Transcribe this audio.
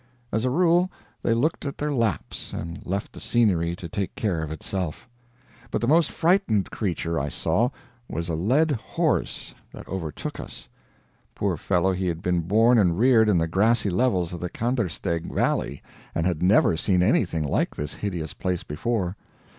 As a rule, they looked at their laps, and left the scenery to take care of itself. But the most frightened creature I saw, was a led horse that overtook us. Poor fellow, he had been born and reared in the grassy levels of the Kandersteg valley and had never seen anything like this hideous place before.